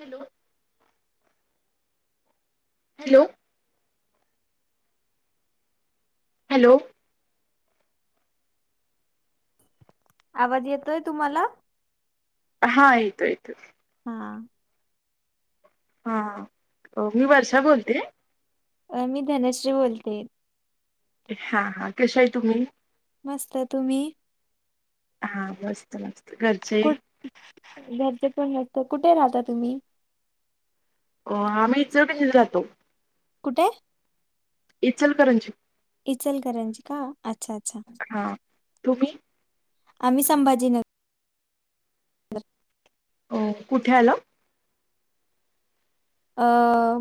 Hello. Hello. Hello. आवाज येतोय तुम्हाला? हा येतोय येतोय. हा. हा मी वर्षा बोलतेय. अ मी धनश्री बोलतेय. हा हा कशा आहे तुम्ही? मस्त तुम्ही? हा मस्त मस्त घर कुठ घरचे पण वाटत कुठे राहता तुम्ही? अ आम्हीइ चौकशीला राहतो. कुठे? इचल करंजी इचलकरंजी का अच्छा, अच्छा. हा तुम्ही? आम्ही संभाजीनगर ओ कुठे आल? अ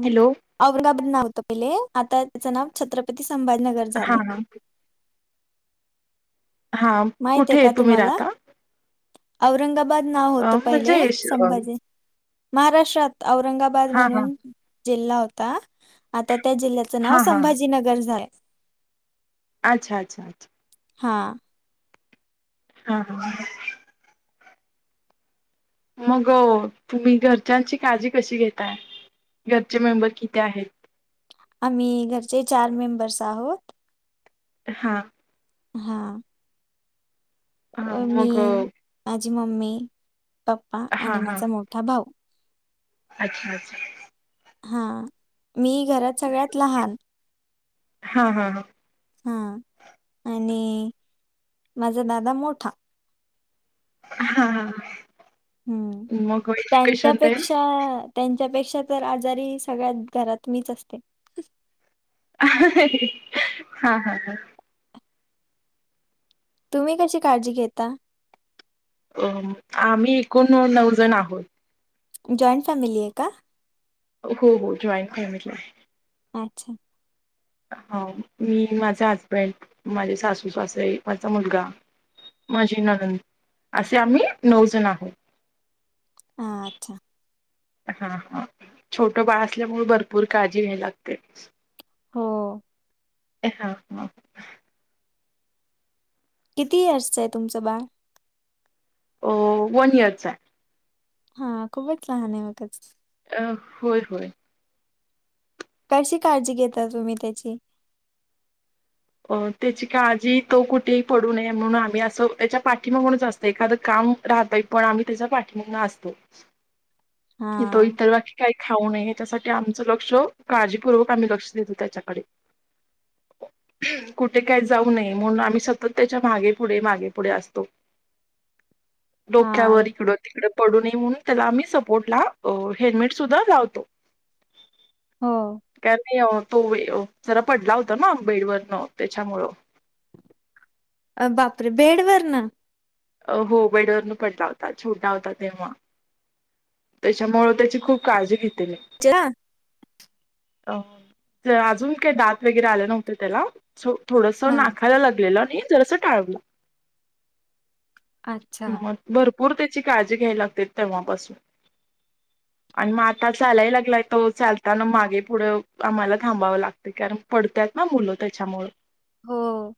हॅलो औरंगाबाद नाव होत पहिले आता त्याचं नाव छत्रपती संभाजीनगर हा झालंय हा. हा माहित कुठे आहे का तुम्ही तुम्हाला राहता? औरंगाबाद नाव अ, होतं म्हणजे पहिले अ, संभाजी महाराष्ट्रात औरंगाबाद हा हा म्हणून. जिल्हा होता आता त्या जिल्ह्याचं नाव हा हा संभाजीनगर झाल. अच्छा अच्छा. हा. हा हा. मग तुम्ही घरच्यांची काळजी कशी घेताय घरचे मेंबर किती आहेत? आम्ही घरचे चार मेंबर्स आहोत. हा. हा. हा अ मी मग अ, माझी मम्मी, पप्पा हा आणि हा माझा मोठा भाऊ अच्छा अच्छा. हा मी घरात सगळ्यात लहान. हा हा हा. हा आणि माझा दादा मोठा. हा हा. हम्म मग एज्युकेशन ते त्यांच्यापेक्षा. त्यांच्यापेक्षा तर आजारी सगळ्यात घरात मीच असते. [unintelligible] हा हा हा. तुम्ही कशी काळजी घेता? अ आम्ही एकूण नऊ जण आहोत. जॉईंट फॅमिली आहे का? हो हो जॉईंट फॅमिली आहे. अच्छा! हो मी माझा हजबंड माझे सासू सासर माझा मुलगा. माझी नंद असे आम्ही नऊ जण आहोत. अ अच्छा! हा हा छोट बाळ असल्यामुळे भरपूर काळजी घ्यायला लागते. हो. ए हां हां. किती इयर्सचं आहे तुमचं बाळ. वन इयरचा आहे. हा खूपच लहान आहे मगच. अ होय होय. कशी काळजी घेता तुम्ही त्याची? अ त्याची काळजी तो कुठेही पडू नये म्हणून आम्ही असं त्याच्या पाठीिमा म्हूनच असतो. एखादं काम राहतय पण आम्ही त्याचा पाठिंबा असतो तो हां, इतर. काही खाऊ नये या त्यासाठी आमचं लक्ष काळजीपूर्वक आम्ही लक्ष देतो त्याच्याकडे. [unintelligible] कुठे काही जाऊ नये म्हणून आम्ही सतत त्यांच्या मागे पुढे, मागे पुढे असतो. हां. डोक्यावर इकडं तिकड पडू नये म्हणून त्याला आम्ही स. बोट ला हेल्मेट सुद्धा लावतो. हो. कार नाही तो जरा पडला होता ना बेडवरन त्याच्यामुळं. अ बापरे! बेडवरर ना. हो बेडवरून पटला होता छोटा होता तेव्हा. त्यांच्यामुळे त्याची खूप काळजी घेते मी. [unintelligible] अ तर अजून काय दात वगैरे आलं नव्हतं त्याला. थोडस हां. नाखायला लागलेलं आणि जरास टाळवलं. अच्छा! मग भरपूर त्याची काळजी घ्यायवी लागते तेव्हापासून. [inaudible] आणि मग आता चालाय लागलाय तो चालताना मागे पुढं आम्हाला थांबावं लागतंय कारण. पडतात ना मुलं त्याच्यामुळ. हो.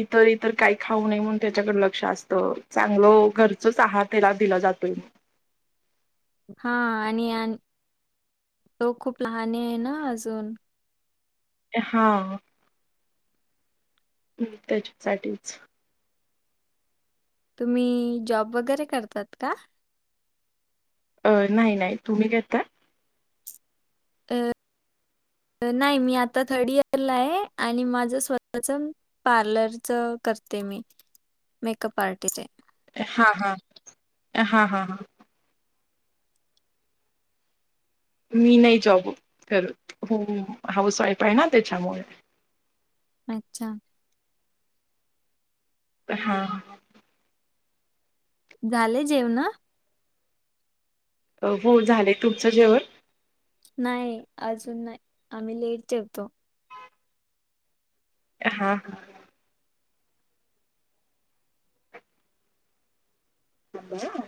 इतर इतर काय. खाऊ नये म्हणून त्याच्याकड लक्ष असत चांगल घरचच आहार त्याला दिला जातोय. हा आणि तो खूप लहान आहे ना अजून. हा. हम् त्याच्यासाठीच. तुम्ही जॉब वगैरे करतात का? अ नाही नाही तुम्ही घेतता. अ नाही मी आता थर्ड इयरला आहे आणि माझ स्वतःच पार्लर च करते मी मेकअप आर्टीचे हां हां हां हां हां. मी नाही जॉब करत हो हाऊस वाईफ आहे ना त्याच्यामुळे अच्छा. हा. झाले जेवन. हो झालंय तुमचं जेवण. नाही अजून नाही आम्ही लेट जेवतो. हा ह. ह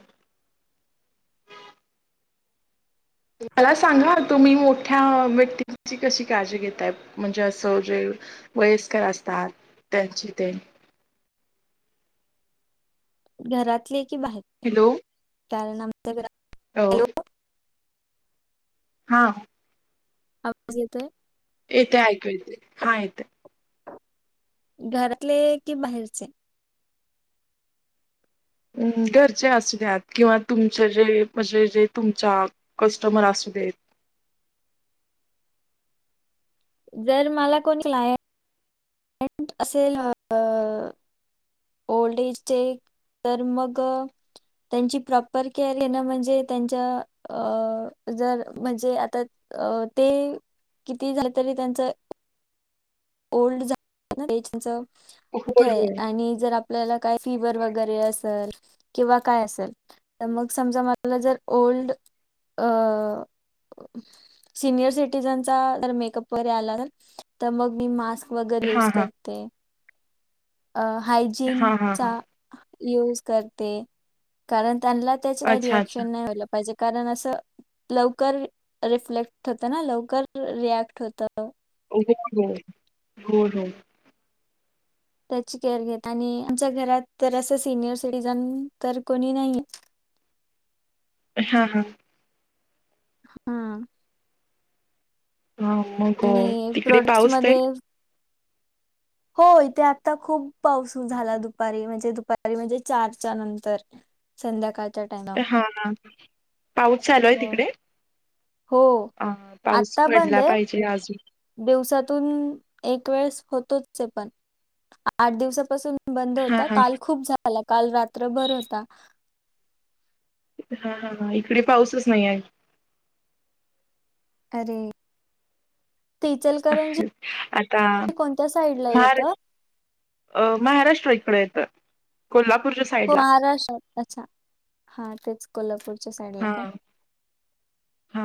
मला सांगा तुम्ही मोठ्या व्यक्तींची कशी काळजी घेताय. म्हणजे असं जे वयस्कर असतात त्यांची ते. घरातले की बाहेर. हॅलो. कारण आमच्या हो. हॅलो हा. आवाज येतोय. येतेआयकू येत हा येते. घरातले की बाहेरचे. हम् घरचे असूद्या किंवा तुमचे जे म्हणजे जे तुमच्या कस्टमर असू देत. जर मला कोणलाय ं असेल अ ओल्ड एजचे तर मग. त्यांची प्रॉपर केअर येणं म्हणजे त्यांच्या अ जर म्हणजे आता ते किती झाल तरी त्यांच ओल्ड झा ते चंच कुठ होय आहे होय आणि जर आप आपल्याला काय फिवर वगैरे असेल किंवा काय असेल. तर मग समजा मला जर old uh senior citizen makeup वैे आला तर मग म मास् वग हा युज हा करते हा हा हायजीनचा हा यज करते कारण त्यांना त्याही अच्छा अच्छा रिक्शन नाही व्हायला पाहिजे. कारण असं लवकर रिफ्लेक्ट होतं ना लवकर रिॲक्ट होत. हो हो हो हो. त्याची केअर घेत आणि आमच्या घरात तर असं सिनियर सिटीझन तर कोणी नाहीये. हा हा. हा. हा मग आणि तिकडे पाऊस आहे. प्रोडक्ट्समध्ये हो इथे आता खूप पाऊस झाला दुपारी म्हणजे दुपारी म्हणजे चारच्या नंतर संध्याकाळ. हा ह पाऊस चालू आहे हो तिकडे हो अ पाऊस आता बंद पडला आहे पाहिजे अजून. दिवसातून एक वेळेस होतोच पण आठ दिवसापासून. बंद हा होता हा काल खूप झाला काल रात्रभर होता. हा हा हा इकडे पाऊसच नाही आहे. अरे. ते आता इचलकरंजी कोणत्या साईड ला महार येतं. अ महाराष्ट्रा इकड येतं. कोल्हापूरच्या. हो साईडला महाराष्ट्रात अच्छा हा तेच कोल्हापूर. हा हा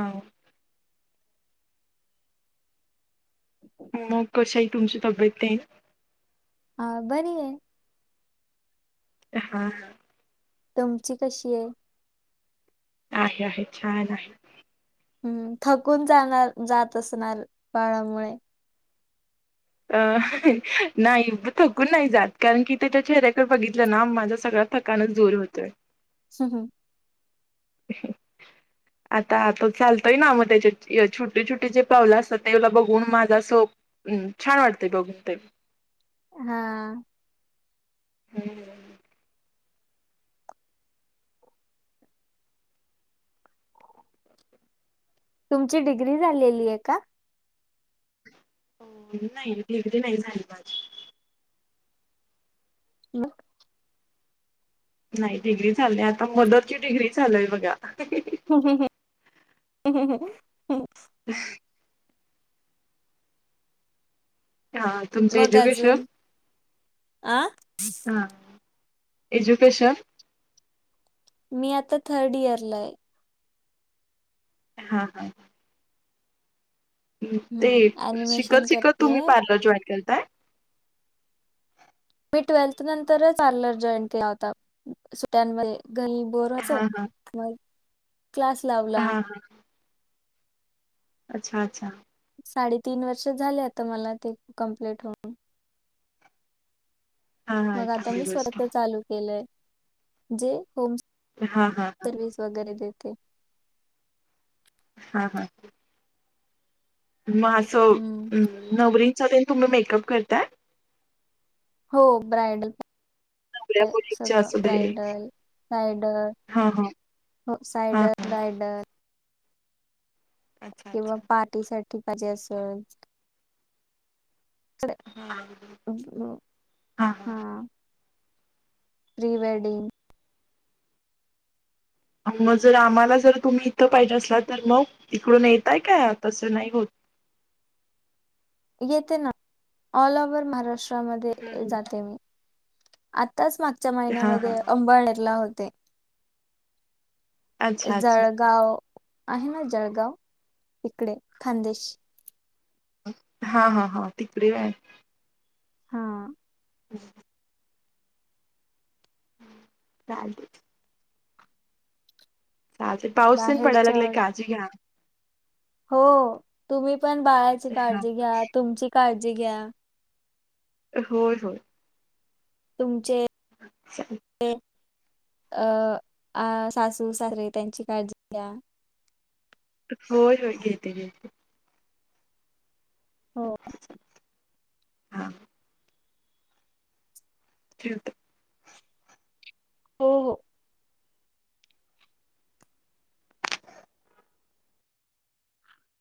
मग कशा ह तुमची तब्येत येईल. हा बरी आहे. अ हा. तमची कशी आहे? आहे आहे छान आहे. हम्म थकून जाणार जात असणार बाळामुळे. अ नाही थकून नाही जात कारण की ते त्या चेहऱ्याकड बघितलं ना माझा सगळं थकानं जोर होतोय. ह हं ह आता आता चालतोय ना मग त्याच्या छटी छोटी जे पावलं असतात तेवला बघून माझा सोप. हम्म छान वाते बघते ते हा. हम्म तुमची डिग्री झालेली आहे का? हो नाही लिगडी नाही झाली माझी म नाही डिग्री चाललीय आता मदरची डिग्री झाचालय बघा ह ह ह हो ह [inaudible] हा तुमचं मग अजून एज्युकेशन अ ह एज्युकेशन मी आता थर्ड इयरला आहे. हा हा ते हम्म ऍनिमेशन शिकत शिकत करतेय तुम्ही पार्लर जॉईन के. मी ट्वेल्थ नंतरच आलर जॉईन केला होता सुट्यांमध्ये ग बोर अस हा हा मग क्लास लावला हा हा अच्छा अच्छा! साडेतीीन वर्ष झाले आता मला ते कं्प्लीट होन. हा हा मग आता चांगली मी स्वत गोष्ट चालू केलंय जे होम. हा हा सर्वस वगैरे देते हा हा हम्म मगं नवरींचा तुम्ही मेकअप करताय. हो ब्रायडल. नवऱ्या मुलींचे सगं असू दे रा्रायडल रायडल. हा हा हो हा. सायडर रायडर अच्छा किंवा अच्छा पार्टी साठी पाहिजे असल तडे हम्. अ प्रि वेडिंग मग जर आम्हाला जर तुम्ही इथं पाहिजे असला तर मग तिकडून येतय काय तसं नाही होत येते ना ऑल ओव्हर महाराष्ट्रामध्ये जाते मी आताच मागच्या हा हा महिन्यामध्ये अंबाळनेरला होते. अच्छा अच्छा जळगाव, आहे ना जळगाव, तीकडे खानदेश. हा, हा, हा, तिकडे आहे. हां. ह [inaudible] तीथ आलते. चालते, पाऊसही पडायला बाहेरच्या लागलाय, काळजी घा. हो, तुम्ही पण बाळाची हा काळजी घ्या, तुमची काळजी घ्या. होय, होय. तुमचे अच्छा [unintelligible] ते अ अ सासू सासरे, त्यांची काळजी घ्या. होय, होय, घेते, घेेते. हो हा. ठेवते. हो हो.